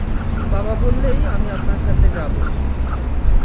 বাবা বললেই আমি আপনার সাথে যাব।